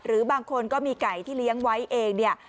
หรือบางคนก็มีไก่ที่เลี้ยงไว้เองเนี่ย